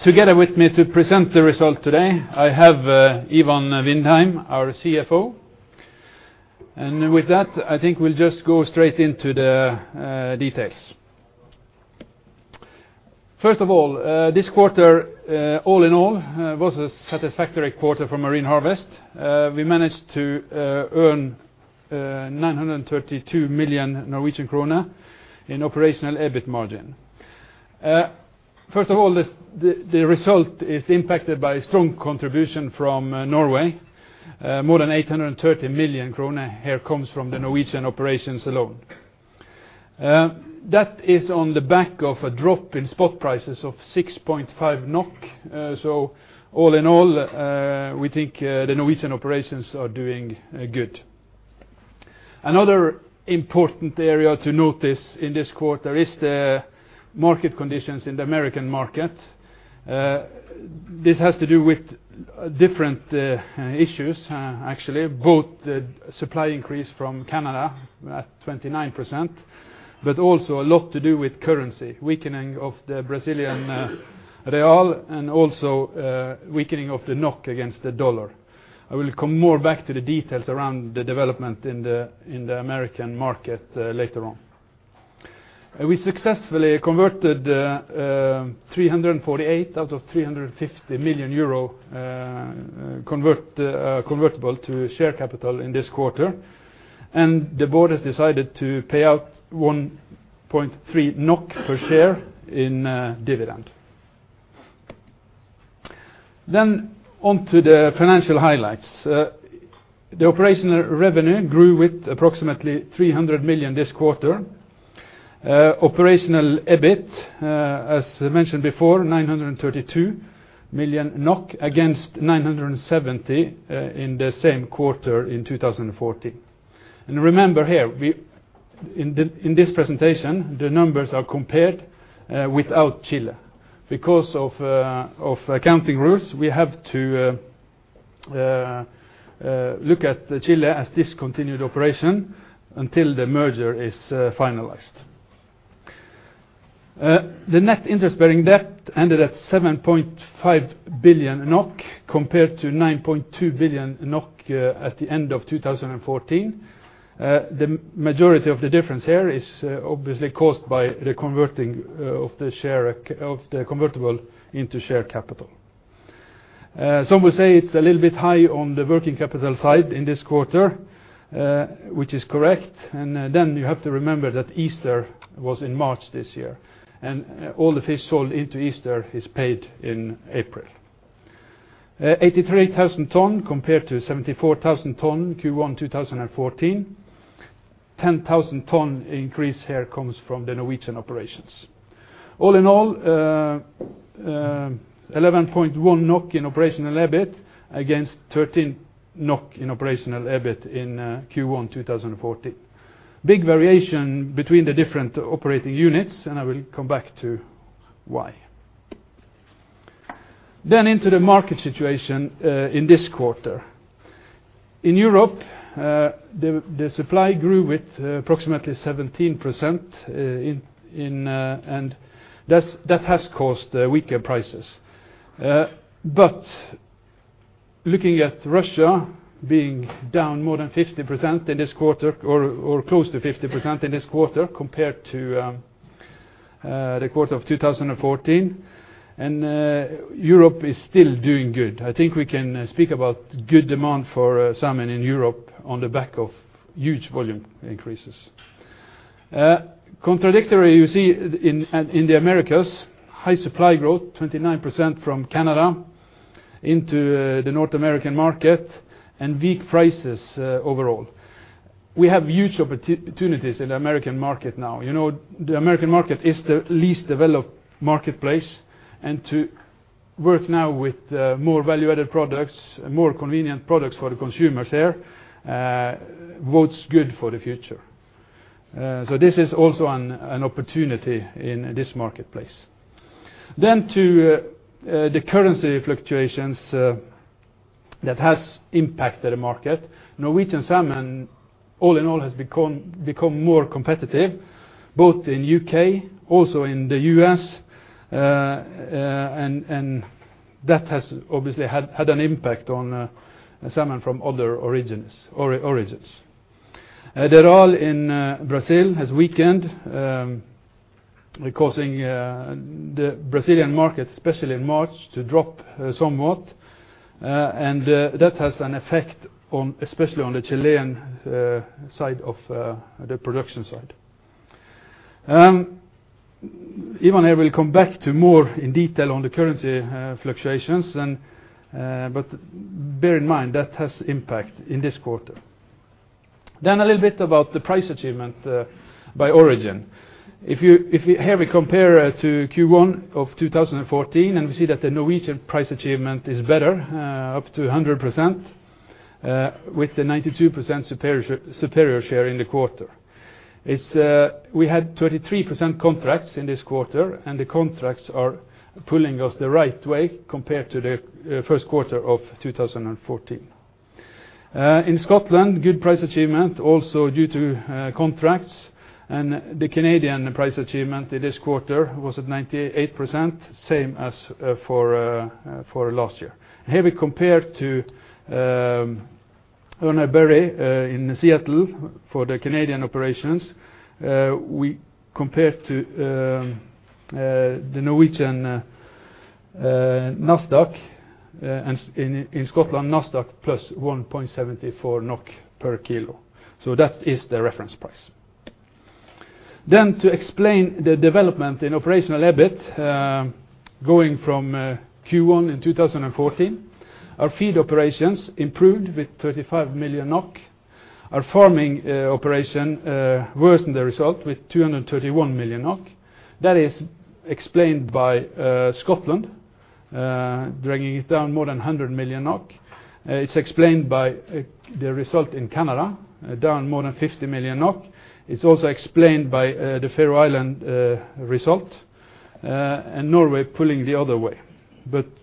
Together with me to present the results today, I have Ivan Vindheim, our CFO. With that, I think we'll just go straight into the details. First of all, this quarter all in all was a satisfactory quarter for Marine Harvest. We managed to earn 932 million Norwegian krone in operational EBIT margin. First of all, the result is impacted by strong contribution from Norway. More than 830 million kroner here comes from the Norwegian operations alone. That is on the back of a drop in spot prices of 6.5 NOK. All in all, we think the Norwegian operations are doing good. Another important area to note in this quarter is the market conditions in the American market. This has to do with different issues, actually, both the supply increase from Canada at 29%, also a lot to do with currency weakening of the Brazilian real and also weakening of the NOK against the USD. I will come more back to the details around the development in the American market later on. We successfully converted 348 out of 350 million euro convertible to share capital in this quarter, the board has decided to pay out 1.3 NOK per share in dividend. On to the financial highlights. The operational revenue grew with approximately 300 million NOK this quarter. Operational EBIT, as mentioned before, 932 million NOK against 970 million in the same quarter in 2014. Remember here, in this presentation, the numbers are compared without Chile. Because of accounting rules, we have to look at Chile as discontinued operation until the merger is finalized. The net interest-bearing debt ended at 7.5 billion NOK, compared to 9.2 billion NOK at the end of 2014. The majority of the difference here is obviously caused by the converting of the convertible into share capital. Some will say it's a little bit high on the working capital side in this quarter, which is correct. Then you have to remember that Easter was in March this year, all the fish sold into Easter is paid in April. 83,000 ton compared to 74,000 ton Q1 2014. 10,000 ton increase here comes from the Norwegian operations. All in all, 11.1 NOK in operational EBIT against 13 NOK in operational EBIT in Q1 2014. Big variation between the different operating units I will come back to why. Into the market situation in this quarter. In Europe, the supply grew with approximately 17% that has caused weaker prices. Looking at Russia being down more than 50% in this quarter, or close to 50% in this quarter compared to the quarter of 2014, Europe is still doing good. I think we can speak about good demand for salmon in Europe on the back of huge volume increases. Contradictory you see in the Americas, high supply growth, 29% from Canada into the North American market and weak prices overall. We have huge opportunities in the American market now. The American market is the least developed marketplace to work now with more value-added products and more convenient products for the consumers there bodes good for the future. This is also an opportunity in this marketplace. To the currency fluctuations that has impacted the market. Norwegian salmon, all in all, has become more competitive both in U.K., also in the U.S., and that has obviously had an impact on salmon from other origins. The real in Brazil has weakened, causing the Brazilian market especially in March, to drop somewhat, and that has an effect especially on the Chilean side of the production side. Ivan here will come back to more in detail on the currency fluctuations but bear in mind that has impact in this quarter. A little bit about the price achievement by origin. If you here we compare to Q1 of 2014, we see that the Norwegian price achievement is better, up to 100%, with the 92% superior share in the quarter. We had 33% contracts in this quarter, the contracts are pulling us the right way compared to the first quarter of 2014. In Scotland, good price achievement also due to contracts. The Canadian price achievement in this quarter was at 98%, same as for last year. Here we compare to Urner Barry in Seattle for the Canadian operations. We compare to the Norwegian NASDAQ, in Scotland, NASDAQ plus 1.74 NOK per kilo. That is the reference price. To explain the development in operational EBIT going from Q1 in 2014, our feed operations improved with 35 million NOK. Our farming operation worsened the result with 231 million NOK. That is explained by Scotland dragging it down more than 100 million NOK. It's explained by the result in Canada, down more than 50 million NOK. It's also explained by the Faroe Islands result, Norway pulling the other way.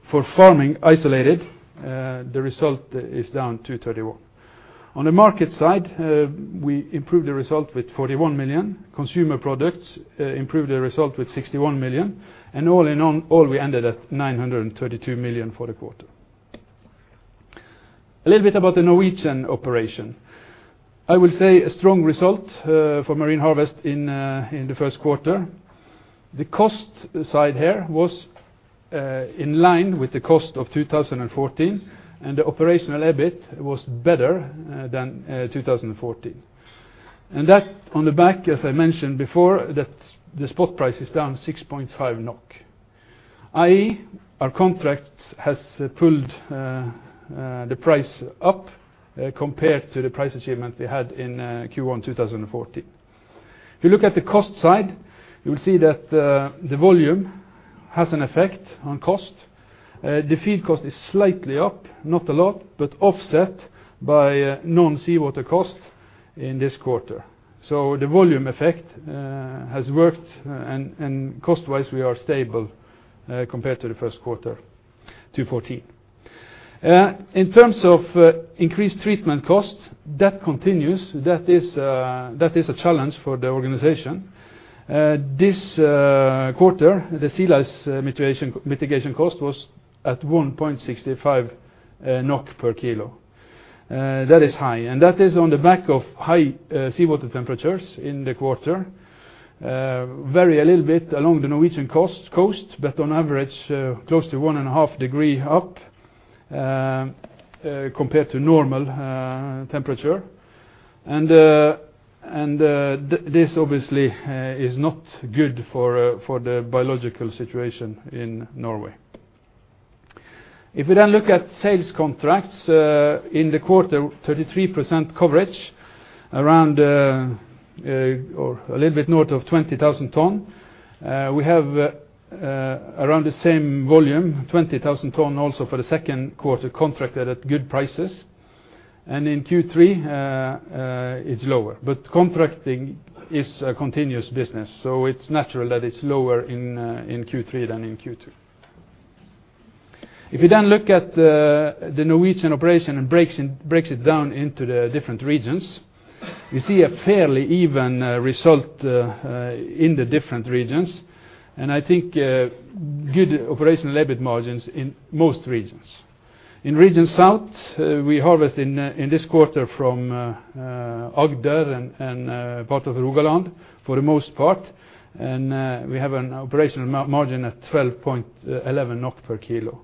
For farming isolated, the result is down 231 million. On the market side, we improved the result with 41 million. Consumer products improved the result with 61 million. All in all, we ended at 932 million for the quarter. A little bit about the Norwegian operation. I would say a strong result for Marine Harvest in the first quarter. The cost side here was in line with the cost of 2014, the operational EBIT was better than 2014. That on the back, as I mentioned before, that the spot price is down 6.5 NOK, i.e., our contracts has pulled the price up compared to the price achievement we had in Q1 2014. If you look at the cost side, you will see that the volume has an effect on cost. The feed cost is slightly up, not a lot, offset by non-seawater cost in this quarter. The volume effect has worked cost-wise, we are stable compared to the first quarter 2014. In terms of increased treatment costs, that continues. That is a challenge for the organization. This quarter, the sea lice mitigation cost was at 1.65 NOK per kilo. That is high, that is on the back of high seawater temperatures in the quarter. Vary a little bit along the Norwegian coast, on average, close to one and a half degree up compared to normal temperature. This obviously is not good for the biological situation in Norway. If we then look at sales contracts in the quarter, 33% coverage around or a little bit north of 20,000 ton. We have around the same volume, 20,000 ton also for the second quarter contracted at good prices. In Q3, it's lower. Contracting is a continuous business, it's natural that it's lower in Q3 than in Q2. We look at the Norwegian operation and breaks it down into the different regions, we see a fairly even result in the different regions, and I think good operational EBIT margins in most regions. In Region South, we harvest in this quarter from Agder and part of Rogaland for the most part. We have an operational margin at 12.11 NOK per kilo.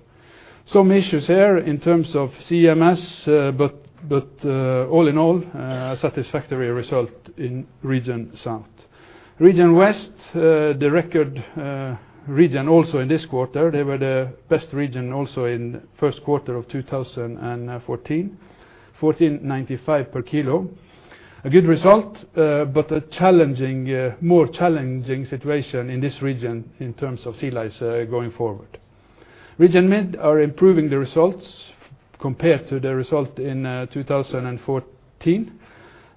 Some issues here in terms of CMS, all in all, a satisfactory result in Region South. Region West, the record region also in this quarter, they were the best region also in first quarter of 2014, 14.95 per kilo. Good result, a more challenging situation in this region in terms of sea lice going forward. Region Mid are improving the results compared to the result in 2014.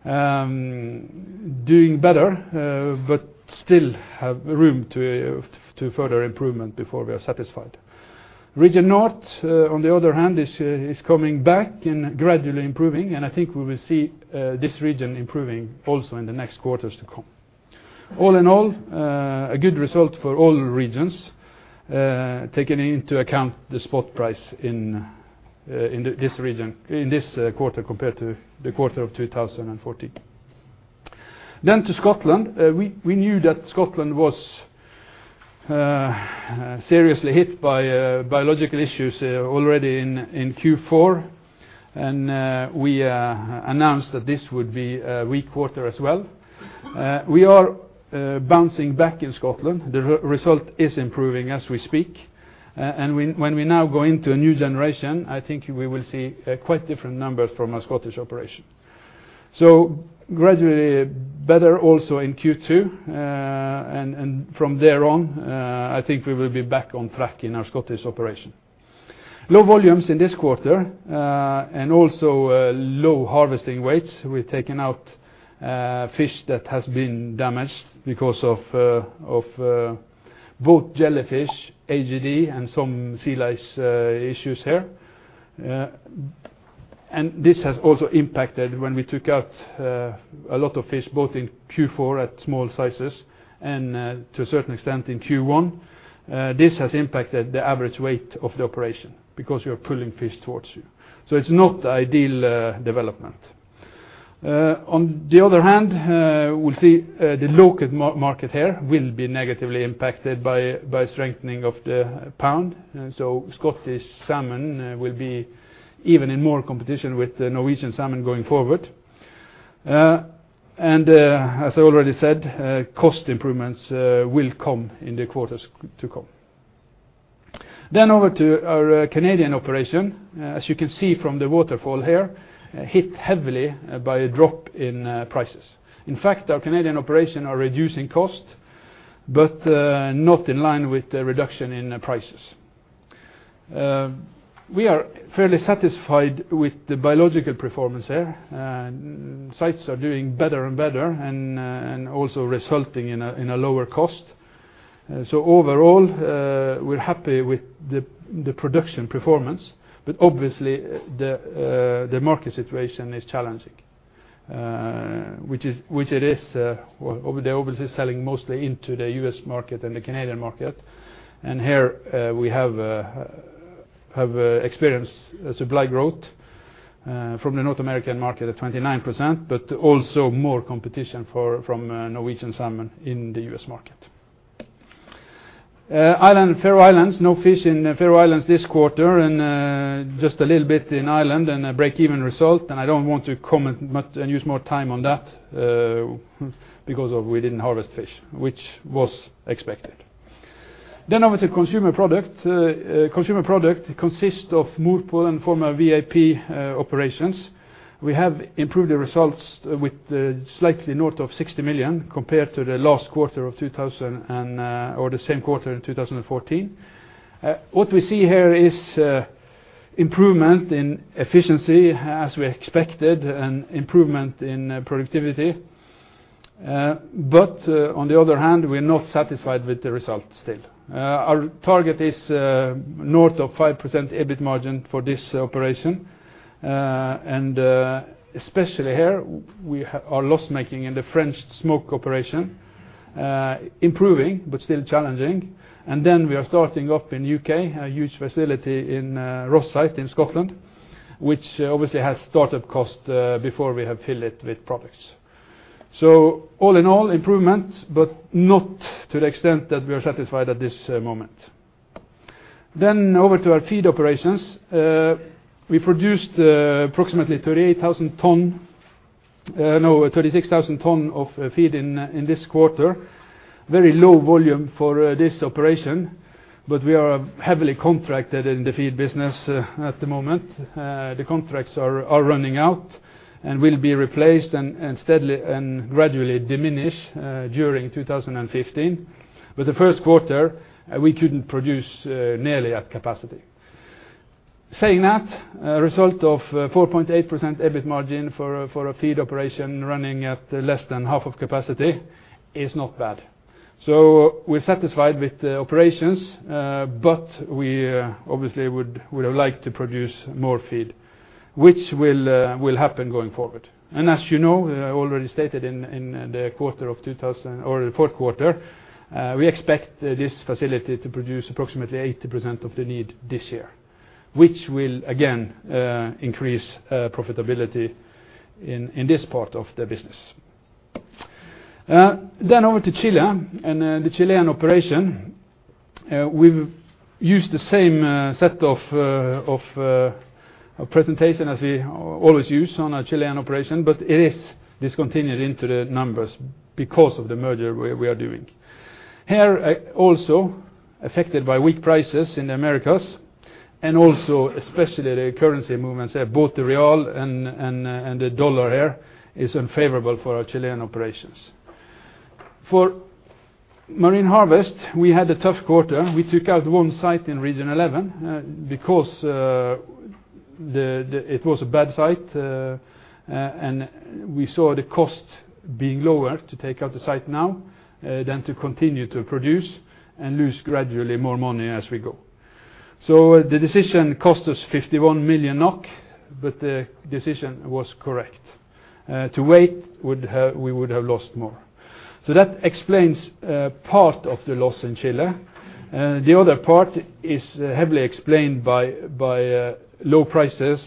Doing better, still have room to further improvement before we are satisfied. Region North, on the other hand, is coming back gradually improving, I think we will see this region improving also in the next quarters to come. All in all, a good result for all regions, taking into account the spot price in this quarter compared to the quarter of 2014. To Scotland. We knew that Scotland was seriously hit by biological issues already in Q4, we announced that this would be a weak quarter as well. We are bouncing back in Scotland. The result is improving as we speak. When we now go into a new generation, I think we will see a quite different number from our Scottish operation. Gradually better also in Q2, from there on, I think we will be back on track in our Scottish operation. Low volumes in this quarter, also low harvesting weights. We've taken out fish that has been damaged because of both jellyfish, AGD, some sea lice issues here. This has also impacted when we took out a lot of fish, both in Q4 at small sizes to a certain extent in Q1. This has impacted the average weight of the operation because you're pulling fish towards you. It's not ideal development. On the other hand, we see the local market here will be negatively impacted by strengthening of the pound. Scottish salmon will be even in more competition with the Norwegian salmon going forward. As I already said, cost improvements will come in the quarters to come. Over to our Canadian operation. As you can see from the waterfall here, hit heavily by a drop in prices. In fact, our Canadian operation are reducing cost, not in line with the reduction in prices. We are fairly satisfied with the biological performance there. Sites are doing better and better also resulting in a lower cost. Overall, we're happy with the production performance. Obviously, the market situation is challenging. Which it is. They obviously selling mostly into the U.S. market the Canadian market. Here we have experienced a supply growth from the North American market of 29%, also more competition from Norwegian salmon in the U.S. market. Ireland, Faroe Islands. No fish in Faroe Islands this quarter, just a little bit in Ireland a break-even result. I don't want to comment use more time on that, because we didn't harvest fish, which was expected. Over to consumer product. Consumer product consists of Mowi VAP and former VAP operations. We have improved the results with slightly north of 60 million compared to the last quarter of 2014. Improvement in efficiency as we expected, and improvement in productivity. On the other hand, we're not satisfied with the result still. Our target is north of 5% EBIT margin for this operation. Especially here, our loss-making in the French smoke operation. Improving, but still challenging. We are starting up in U.K., a huge facility in Rosyth in Scotland, which obviously has start-up cost before we have fill it with products. All in all, improvements, but not to the extent that we are satisfied at this moment. Over to our feed operations. We produced approximately 38,000 tons. 36,000 tons of feed in this quarter. Very low volume for this operation, but we are heavily contracted in the feed business at the moment. The contracts are running out and will be replaced and gradually diminish during 2015. The first quarter, we couldn't produce nearly at capacity. Saying that, a result of 4.8% EBIT margin for a feed operation running at less than half of capacity is not bad. We're satisfied with the operations. We obviously would have liked to produce more feed, which will happen going forward. As you know, I already stated in the fourth quarter, we expect this facility to produce approximately 80% of the need this year, which will again, increase profitability in this part of the business. Over to Chile and the Chilean operation. We've used the same set of presentation as we always use on our Chilean operation, it is discontinued into the numbers because of the merger we are doing. Also affected by weak prices in the Americas and also especially the currency movements there. Both the real and the USD here is unfavorable for our Chilean operations. For Marine Harvest, we had a tough quarter. We took out one site in Region 11 because it was a bad site, and we saw the cost being lower to take out the site now than to continue to produce and lose gradually more money as we go. The decision cost us 51 million NOK, the decision was correct. To wait, we would have lost more. That explains part of the loss in Chile. The other part is heavily explained by low prices,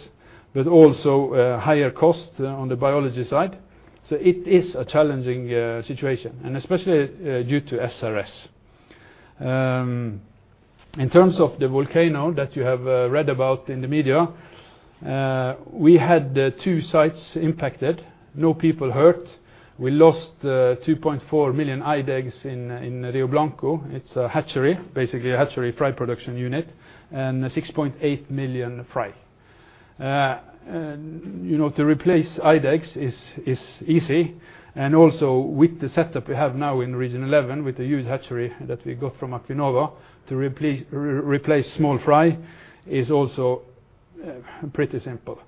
also higher cost on the biology side. It is a challenging situation, and especially due to SRS. In terms of the volcano that you have read about in the media, we had two sites impacted, no people hurt. We lost 2.4 million eyed eggs in Rio Blanco. It's a hatchery, basically a hatchery fry production unit. 6.8 million fry. To replace eyed eggs is easy and also with the setup we have now in Region 11 with the huge hatchery that we got from Acuinova to replace small fry is also pretty simple.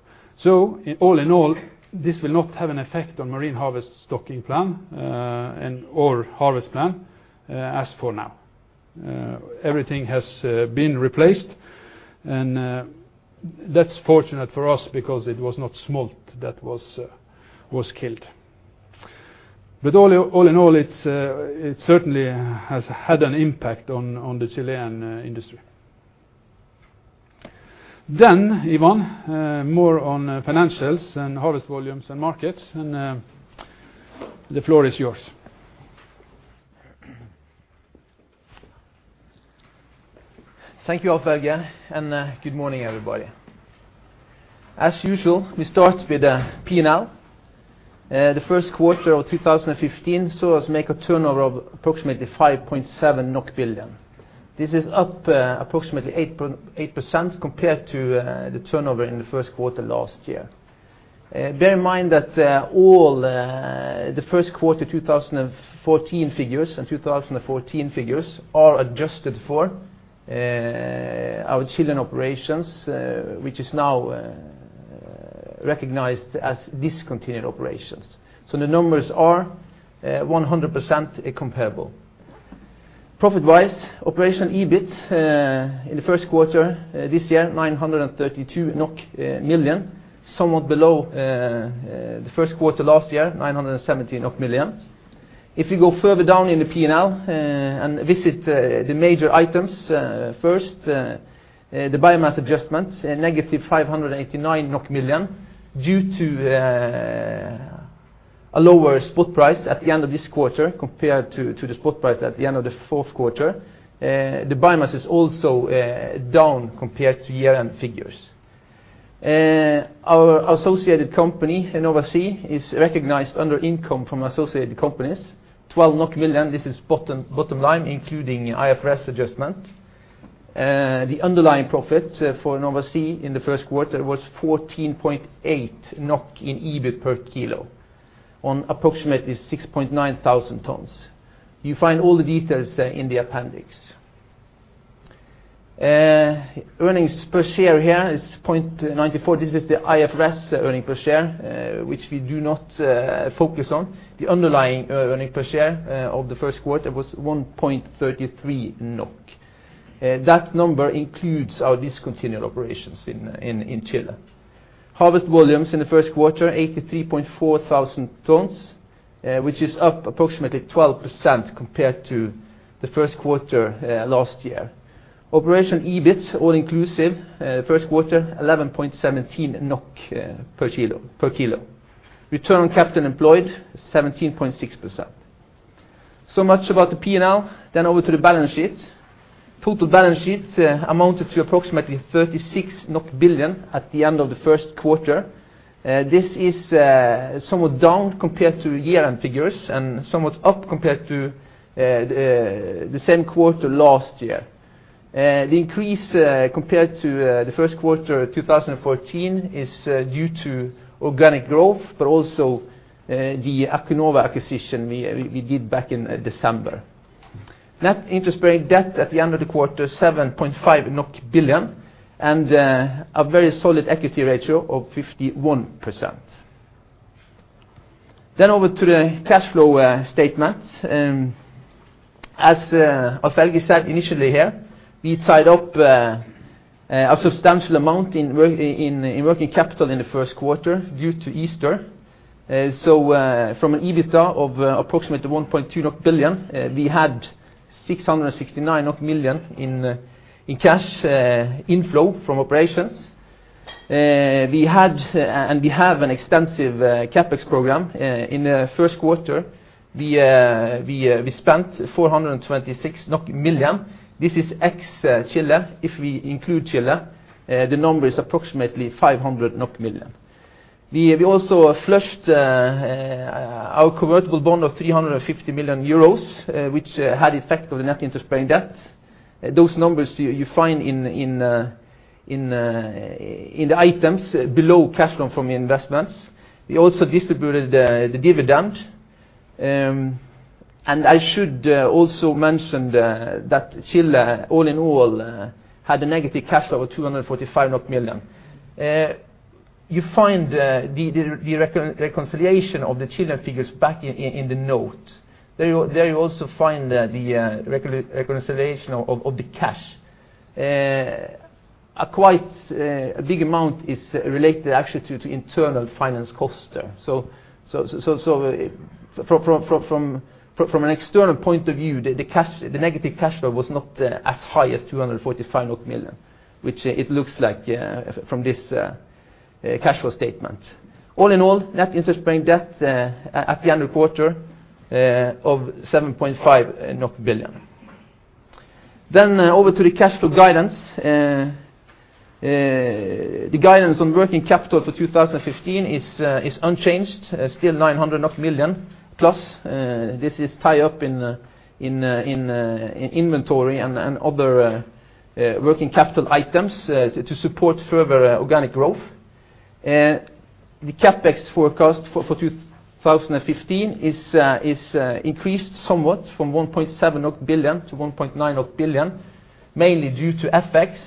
All in all, this will not have an effect on Marine Harvest stocking plan, or harvest plan as for now. Everything has been replaced, and that's fortunate for us because it was not smolt that was killed. All in all, it certainly has had an impact on the Chilean industry. Ivan, more on financials and harvest volumes and markets, the floor is yours. Thank you, Alf-Helge, and good morning, everybody. As usual, we start with P&L. The first quarter of 2015 saw us make a turnover of approximately 5.7 billion NOK. This is up approximately 8% compared to the turnover in the first quarter last year. Bear in mind that all the first quarter 2014 figures and 2014 figures are adjusted for our Chilean operations, which is now recognized as discontinued operations. The numbers are 100% comparable. Profit-wise, operation EBIT in the first quarter this year, 932 million NOK, somewhat below the first quarter last year, 917 million NOK. If you go further down in the P&L and visit the major items first, the biomass adjustments, negative 589 million NOK due to a lower spot price at the end of this quarter compared to the spot price at the end of the fourth quarter. The biomass is also down compared to year-end figures. Our associated company, Nova Sea, is recognized under income from associated companies, 12 million NOK. This is bottom line, including IFRS adjustment. The underlying profit for Nova Sea in the first quarter was 14.8 NOK in EBIT per kilo on approximately 6.9 thousand tons. You find all the details in the appendix. Earnings per share here is 0.94. This is the IFRS earning per share, which we do not focus on. The underlying earning per share of the first quarter was 1.33 NOK. That number includes our discontinued operations in Chile. Harvest volumes in the first quarter, 83.4 thousand tons, which is up approximately 12% compared to the first quarter last year. Operation EBIT all inclusive, first quarter, 11.17 NOK per kilo. Return on capital employed, 17.6%. So much about the P&L. Over to the balance sheet. Total balance sheet amounted to approximately 36 billion at the end of the first quarter. This is somewhat down compared to year-end figures and somewhat up compared to the same quarter last year. The increase, compared to the first quarter 2014, is due to organic growth, but also the Acuinova Chile acquisition we did back in December. Net interest-bearing debt at the end of the quarter, 7.5 billion and a very solid equity ratio of 51%. Over to the cash flow statement. As Alf-Helge said initially here, we tied up a substantial amount in working capital in the first quarter due to Easter. From an EBITDA of approximately 1.2 billion, we had 669 million in cash inflow from operations. We have an extensive CapEx program. In the first quarter, we spent 426 million NOK. This is ex Chile. If we include Chile, the number is approximately 500 million. We also flushed our convertible bond of 350 million euros, which had effect on the net interest-bearing debt. Those numbers you find in the items below cash flow from investments. We also distributed the dividend. I should also mention that Chile, all in all, had a negative cash flow of 245 million. You find the reconciliation of the Chile figures back in the note. There you also find the reconciliation of the cash. A quite big amount is related actually to internal finance costs there. From an external point of view, the negative cash flow was not as high as 245 million, which it looks like from this cash flow statement. All in all, net interest-bearing debt at the end of the quarter of 7.5 NOK billion. Over to the cash flow guidance. The guidance on working capital for 2015 is unchanged, still 900 million plus. This is tied up in inventory and other working capital items to support further organic growth. The CapEx forecast for 2015 is increased somewhat from 1.7 NOK billion to 1.9 NOK billion, mainly due to FX.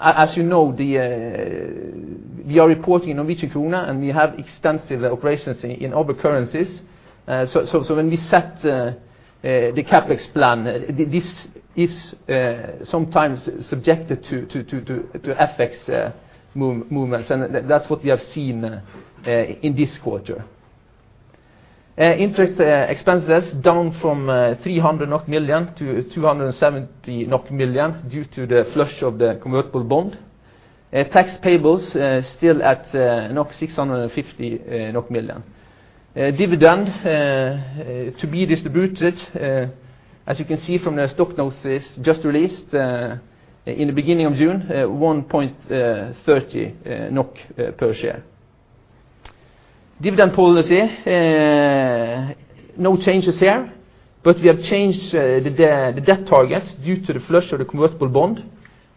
As you know, we are reporting in Norwegian kroner and we have extensive operations in other currencies. When we set the CapEx plan, this is sometimes subjected to FX movements, and that's what we have seen in this quarter. Interest expenses down from 300 million to 270 million due to the flush of the convertible bond. Tax payables still at 650 million NOK. Dividend to be distributed, as you can see from the stock notice just released in the beginning of June, 1.30 NOK per share. Dividend policy, no changes here, we have changed the debt targets due to the flush of the convertible bond.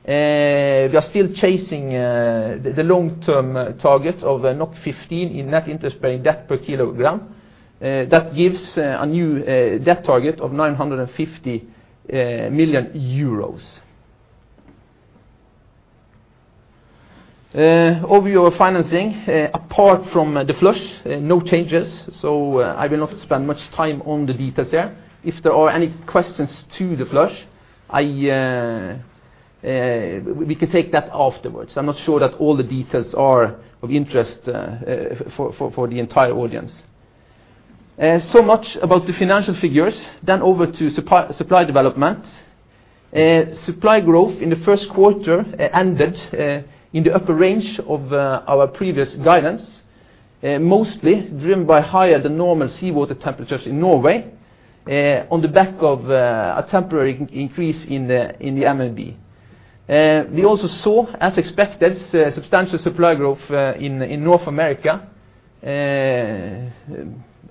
We are still chasing the long-term target of 15 in net interest-bearing debt per kilogram. That gives a new debt target of 950 million euros. Overview of financing. Apart from the flush, no changes, I will not spend much time on the details there. If there are any questions to the flush, we can take that afterwards. I'm not sure that all the details are of interest for the entire audience. Much about the financial figures. Over to supply development. Supply growth in the first quarter ended in the upper range of our previous guidance, mostly driven by higher than normal seawater temperatures in Norway on the back of a temporary increase in the MAB. We also saw, as expected, substantial supply growth in North America.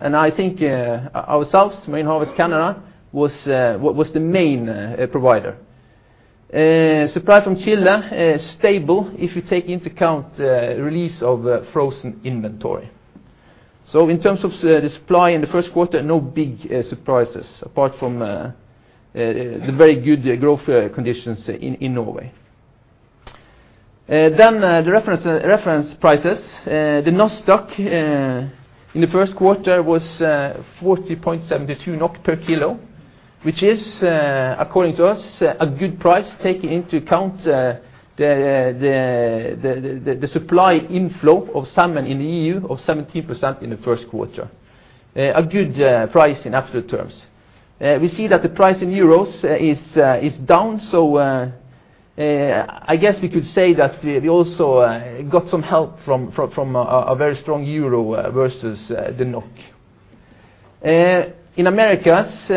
I think ourselves, Marine Harvest Canada, was the main provider. Supply from Chile is stable if you take into account release of frozen inventory. In terms of the supply in the first quarter, no big surprises apart from the very good growth conditions in Norway. The reference prices. The NOS in the first quarter was 40.72 NOK per kilo, which is, according to us, a good price taking into account the supply inflow of salmon in the EU of 17% in the first quarter. A good price in absolute terms. We see that the price in EUR is down, I guess we could say that we also got some help from a very strong EUR versus the NOK. In Americas,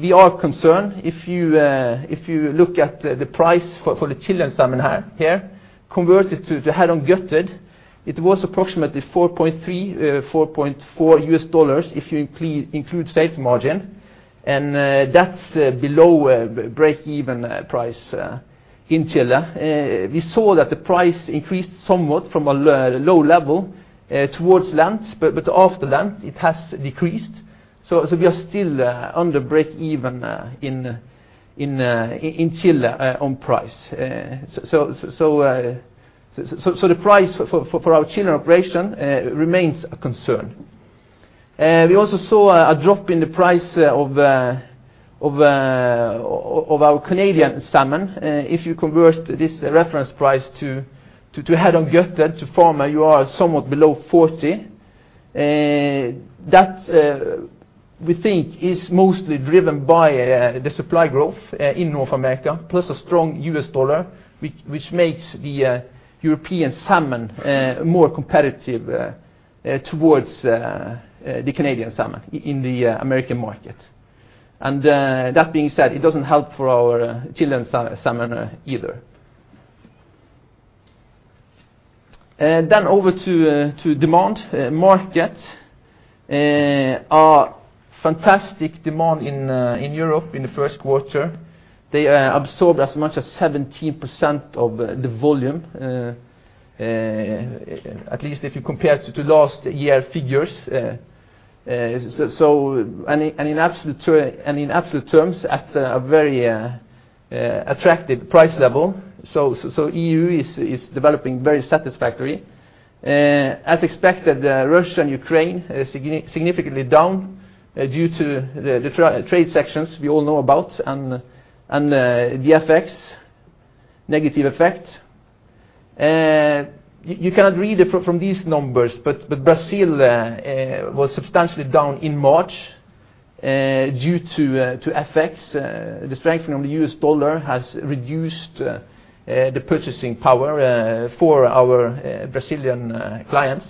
we are concerned. If you look at the price for the Chilean salmon here, converted to head-on gutted, it was approximately $4.3, $4.4 if you include sales margin, and that's below break-even price in Chile. We saw that the price increased somewhat from a low level towards Lent, but after Lent it has decreased. We are still under break-even in Chile on price. The price for our Chile operation remains a concern. We also saw a drop in the price of our Canadian salmon. If you convert this reference price to head-on gutted to farmer, you are somewhat below 40. That, we think, is mostly driven by the supply growth in North America, plus a strong U.S. dollar, which makes the European salmon more competitive towards the Canadian salmon in the American market. That being said, it doesn't help for our Chilean salmon either. Over to demand. Markets are fantastic demand in Europe in the first quarter. They absorbed as much as 17% of the volume, at least if you compare to last year figures. In absolute terms, at a very attractive price level. EU is developing very satisfactory. As expected, Russia and Ukraine is significantly down due to the trade sanctions we all know about and the negative effect. You cannot read it from these numbers, but Brazil was substantially down in March due to FX. The strengthening of the U.S. dollar has reduced the purchasing power for our Brazilian clients.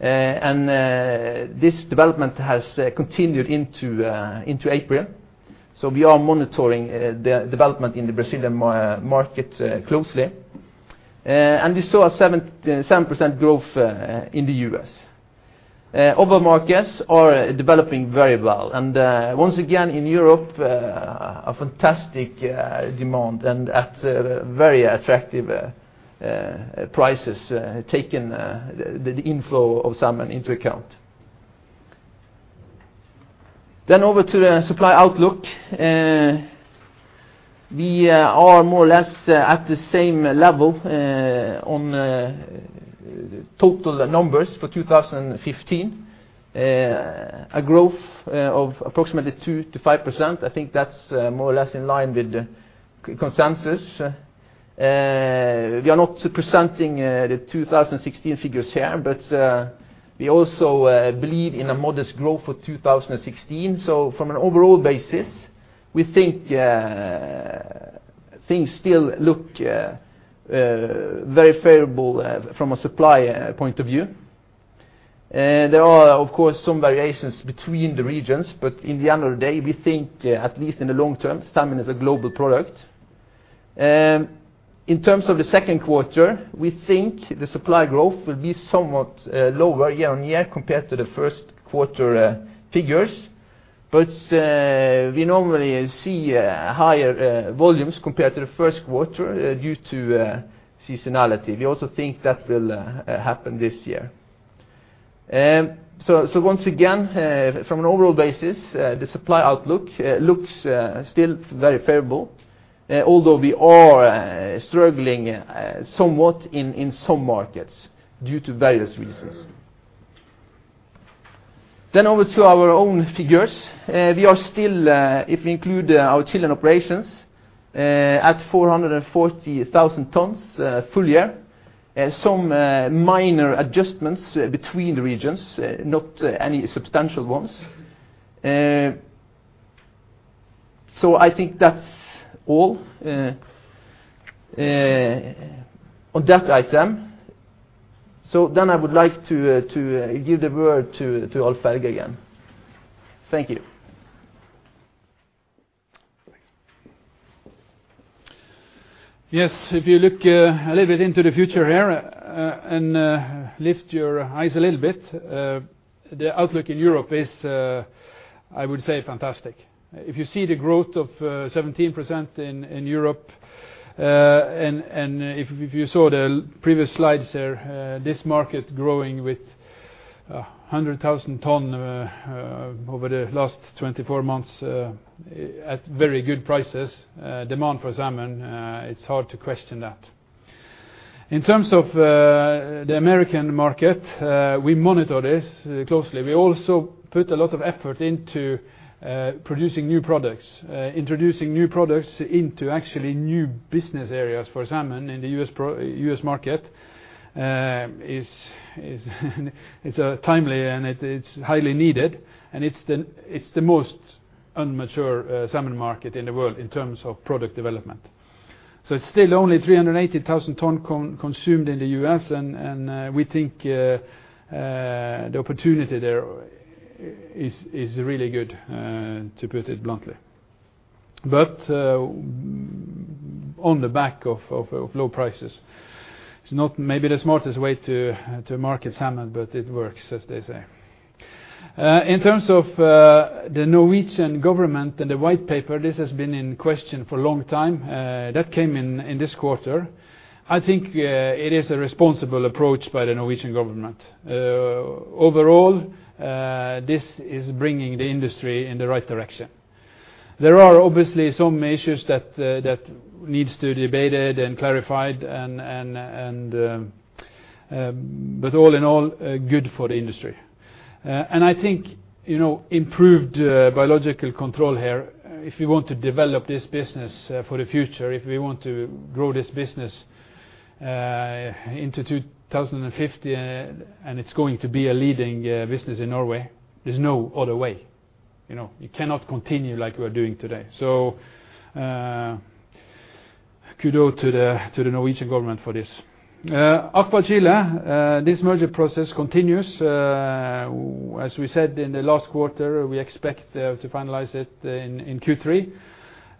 This development has continued into April. We are monitoring the development in the Brazilian market closely. We saw a 7% growth in the U.S. Other markets are developing very well. Once again, in Europe, a fantastic demand and at very attractive prices, taking the inflow of salmon into account. Then over to the supply outlook. We are more or less at the same level on total numbers for 2015, a growth of approximately 2%-5%. I think that's more or less in line with the consensus. We are not presenting the 2016 figures here, but we also believe in a modest growth for 2016. From an overall basis, we think things still look very favorable from a supply point of view. There are, of course, some variations between the regions, but at the end of the day, we think, at least in the long term, salmon is a global product. In terms of the second quarter, we think the supply growth will be somewhat lower year-on-year compared to the first quarter figures. We normally see higher volumes compared to the first quarter due to seasonality. We also think that will happen this year. Once again, from an overall basis, the supply outlook looks still very favorable. Although we are struggling somewhat in some markets due to various reasons. Then over to our own figures. We are still, if we include our Chilean operations, at 440,000 tons full year. Some minor adjustments between the regions, not any substantial ones. I think that's all on that item. I would like to give the word to Alf-Helge again. Thank you. Thanks. Yes. If you look a little bit into the future here and lift your eyes a little bit, the outlook in Europe is, I would say, fantastic. If you see the growth of 17% in Europe, and if you saw the previous slides there, this market growing with 100,000 ton over the last 24 months at very good prices, demand for salmon, it's hard to question that. In terms of the American market, we monitor this closely. We also put a lot of effort into producing new products, introducing new products into actually new business areas for salmon in the U.S. market. It's timely and it's highly needed, and it's the most immature salmon market in the world in terms of product development. It's still only 380,000 ton consumed in the U.S., and we think the opportunity there is really good, to put it bluntly. On the back of low prices, it's not maybe the smartest way to market salmon, but it works, as they say. In terms of the Norwegian government and the white paper, this has been in question for a long time. That came in this quarter. I think it is a responsible approach by the Norwegian government. Overall, this is bringing the industry in the right direction. There are obviously some issues that needs to debated and clarified, but all in all, good for the industry. I think improved biological control here, if we want to develop this business for the future, if we want to grow this business into 2050, and it's going to be a leading business in Norway, there's no other way. You cannot continue like we are doing today. Kudos to the Norwegian government for this. AquaChile, this merger process continues. As we said in the last quarter, we expect to finalize it in Q3,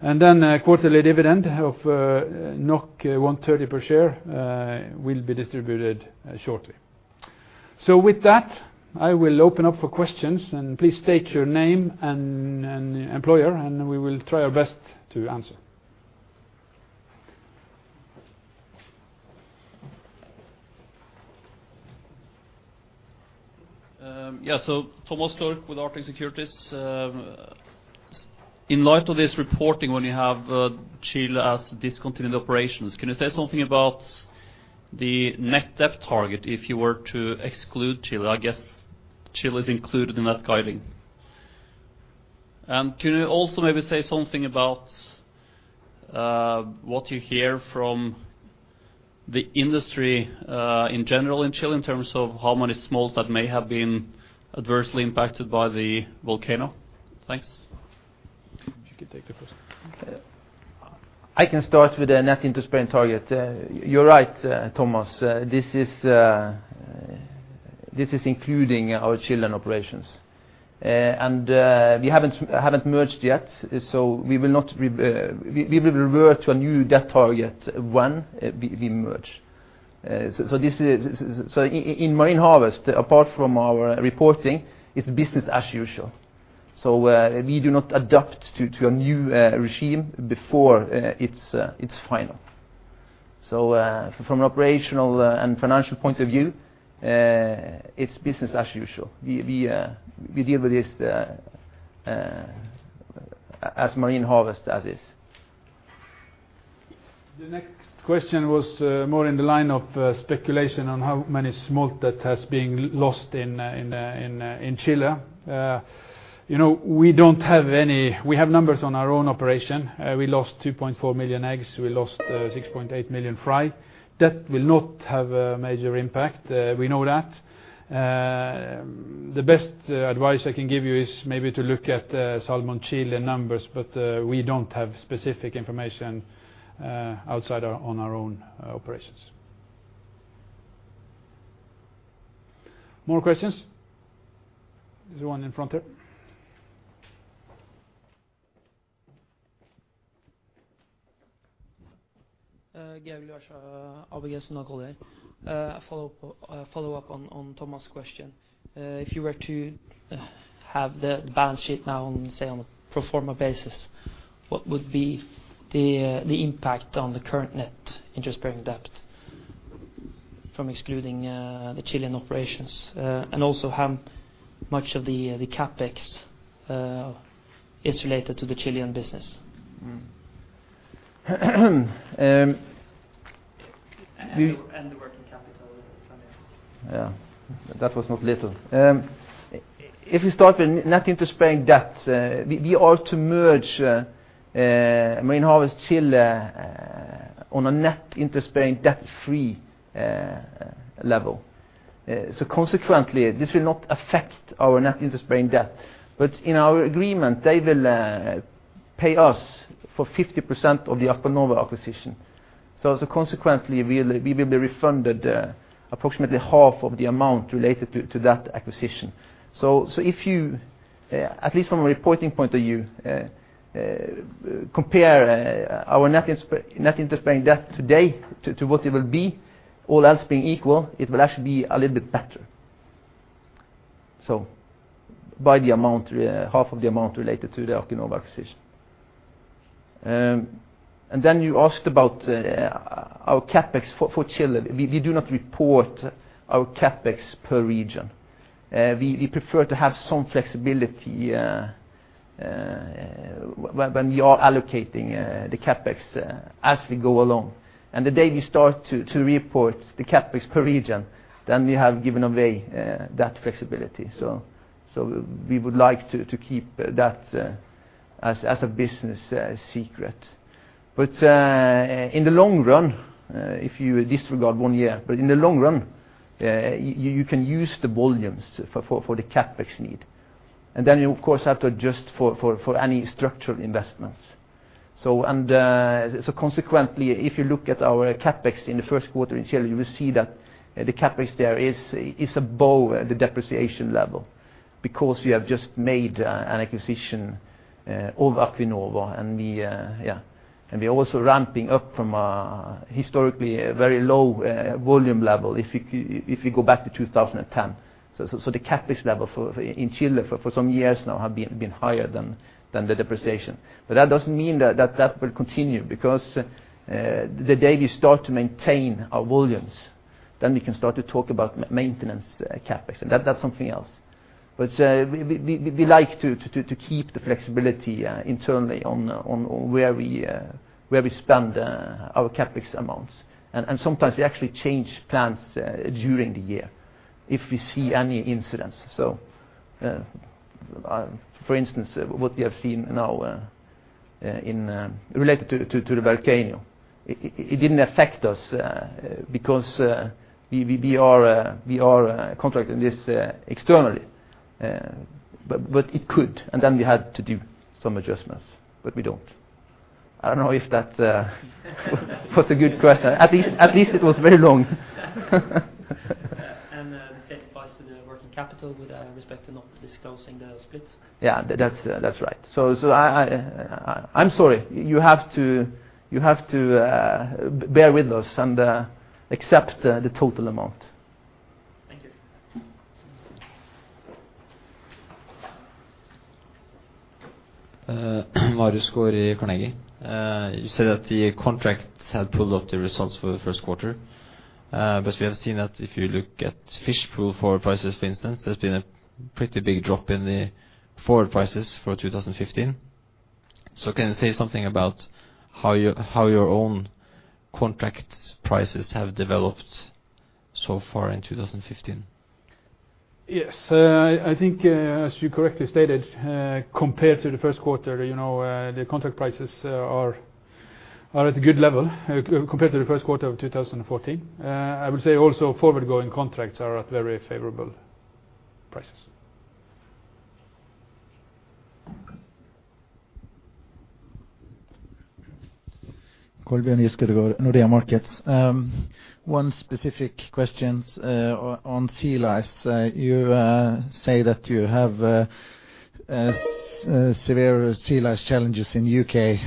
and then a quarterly dividend of 1.30 per share will be distributed shortly. With that, I will open up for questions, and please state your name and employer, and we will try our best to answer. Thanks. Yeah. Thomas Daur with Arctic Securities. In light of this reporting, when you have Chile as discontinued operations, can you say something about the net debt target if you were to exclude Chile? I guess Chile is included in that guiding. Can you also maybe say something about what you hear from the industry in general in Chile in terms of how many smolts that may have been adversely impacted by the volcano? Thanks. You can take the first. I can start with the net interest-bearing target. You're right, Thomas. This is including our Chilean operations. We haven't merged yet, so we will revert to a new debt target when we merge. In Marine Harvest, apart from our reporting, it's business as usual. We do not adapt to a new regime before it's final. From an operational and financial point of view, it's business as usual. We deal with this as Marine Harvest does this. The next question was more in the line of speculation on how many smolt that has been lost in Chile. We have numbers on our own operation. We lost 2.4 million eggs, we lost 6.8 million fry. That will not have a major impact. We know that. The best advice I can give you is maybe to look at the SalmonChile numbers, but we don't have specific information outside on our own operations. More questions? There's one in front here. Georg Liasjø, ABG Sundal Collier. A follow-up on Thomas' question. If you were to have the balance sheet now on, say, on a pro forma basis, what would be the impact on the current net interest-bearing debt from excluding the Chilean operations? Also, how much of the CapEx is related to the Chilean business? We- The working capital finance. Yeah. That was not little. If we start with net interest-bearing debt, we are to merge Marine Harvest Chile on a net interest-bearing debt-free level. Consequently, this will not affect our net interest-bearing debt. In our agreement, they will pay us for 50% of the Acuinova acquisition. Consequently, we will be refunded approximately half of the amount related to that acquisition. If you, at least from a reporting point of view, compare our net interest-bearing debt today to what it will be, all else being equal, it will actually be a little bit better. By the amount, half of the amount related to the Acuinova acquisition. Then you asked about our CapEx for Chile. We do not report our CapEx per region. We prefer to have some flexibility when we are allocating the CapEx as we go along. The day we start to report the CapEx per region, then we have given away that flexibility. We would like to keep that as a business secret. In the long run, if you disregard one year, in the long run, you can use the volumes for the CapEx need. Then you, of course, have to adjust for any structural investments. Consequently, if you look at our CapEx in the first quarter in Chile, you will see that the CapEx there is above the depreciation level because we have just made an acquisition of Acuinova and we, yeah. We are also ramping up from a historically very low volume level if you go back to 2010. The CapEx level in Chile for some years now have been higher than the depreciation. That doesn't mean that will continue because the day we start to maintain our volumes, then we can start to talk about maintenance CapEx, and that's something else. We like to keep the flexibility internally on where we spend our CapEx amounts. Sometimes we actually change plans during the year if we see any incidents. For instance, what we have seen now related to the volcano. It didn't affect us because we are contracted this externally. It could, and then we had to do some adjustments, but we don't. I don't know if that was a good question. At least it was very long. The same applies to the working capital with respect to not disclosing the splits? Yeah. That's right. I'm sorry. You have to bear with us and accept the total amount. Thank you. Marius Skaar, Carnegie. You said that the contracts had pulled up the results for the first quarter. We have seen that if you look at Fish Pool forward prices, for instance, there's been a pretty big drop in the forward prices for 2015. Can you say something about how your own contract prices have developed so far in 2015? Yes. I think, as you correctly stated, compared to the first quarter, the contract prices are at a good level compared to the first quarter of 2014. I would say also forward-going contracts are at very favorable prices. Kolbjørn Giskeødegård, Nordea Markets. One specific question on sea lice. You say that you have severe sea lice challenges in the U.K.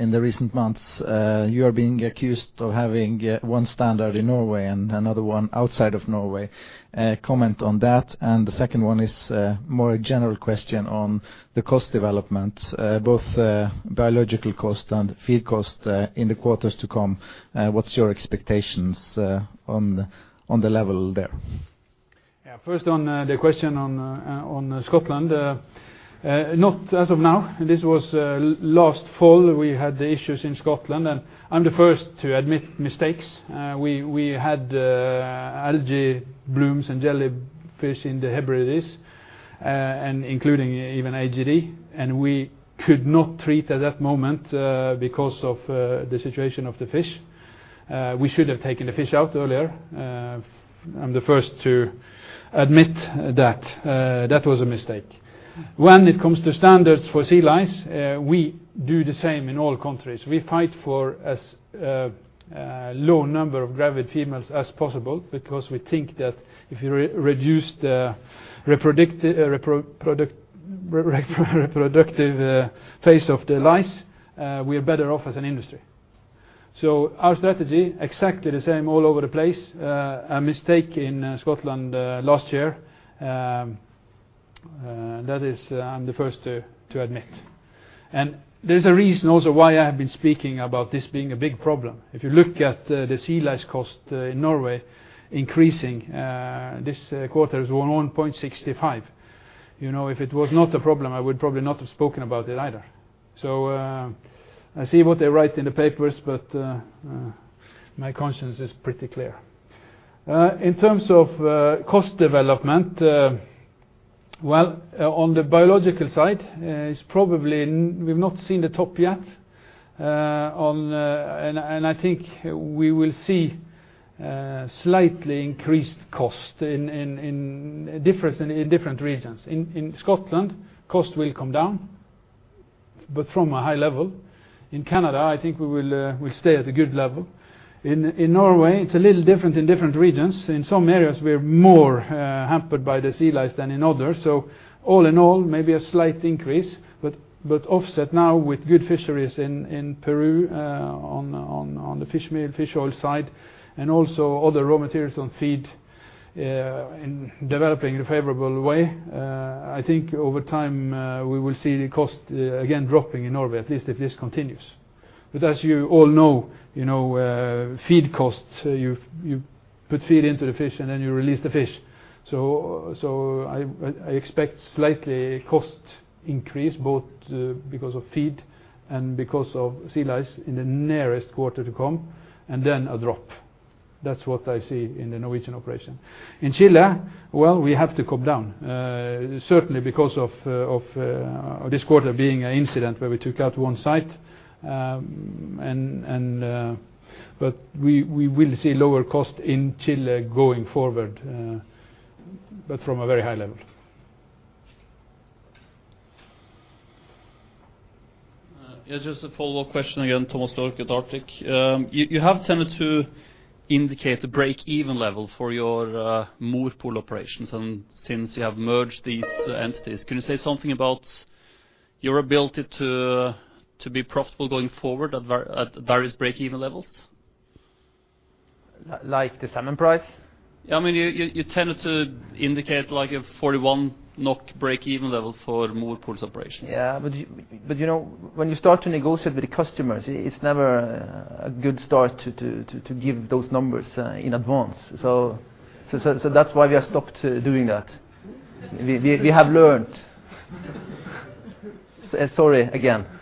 in the recent months. You are being accused of having one standard in Norway and another one outside of Norway. Comment on that. The second one is more a general question on the cost development, both biological cost and feed cost in the quarters to come. What's your expectations on the level there? First on the question on Scotland. Not as of now. This was last fall, we had the issues in Scotland, and I'm the first to admit mistakes. We had algae blooms and jellyfish in the Hebrides, and including even AGD, and we could not treat at that moment because of the situation of the fish. We should have taken the fish out earlier. I'm the first to admit that. That was a mistake. When it comes to standards for sea lice, we do the same in all countries. We fight for as low number of gravid females as possible because we think that if you reduce the reproductive phase of the lice, we are better off as an industry. Our strategy, exactly the same all over the place. A mistake in Scotland last year, that I'm the first to admit. There's a reason also why I have been speaking about this being a big problem. If you look at the sea lice cost in Norway increasing this quarter is 1.65. If it was not a problem, I would probably not have spoken about it either. I see what they write in the papers, but my conscience is pretty clear. In terms of cost development. Well, on the biological side, we've not seen the top yet. I think we will see slightly increased cost in different regions. In Scotland, cost will come down, but from a high level. In Canada, I think we'll stay at a good level. In Norway, it's a little different in different regions. In some areas, we're more hampered by the sea lice than in others. All in all, maybe a slight increase, but offset now with good fisheries in Peru, on the fish meal, fish oil side, and also other raw materials on feed, and developing in a favorable way. I think over time, we will see the cost again dropping in Norway, at least if this continues. As you all know, feed costs, you put feed into the fish, and then you release the fish. I expect slightly cost increase both because of feed and because of sea lice in the nearest quarter to come, and then a drop. That's what I see in the Norwegian operation. In Chile, well, we have to come down. Certainly because of this quarter being an incident where we took out one site. We will see lower cost in Chile going forward, but from a very high level. Yeah, just a follow-up question again, Thomas Daur at Arctic. You have tended to indicate a break-even level for your Mowi pool operations, and since you have merged these entities, can you say something about your ability to be profitable going forward at various break-even levels? Like the salmon price? Yeah, you tended to indicate like a 41 NOK break-even level for Mowi pools operations. Yeah, when you start to negotiate with the customers, it's never a good start to give those numbers in advance. That's why we have stopped doing that. We have learned. Sorry again.